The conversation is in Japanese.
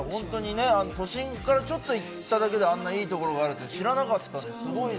都心からちょっと行っただけで、あんなにいいところがあるって知らなかった。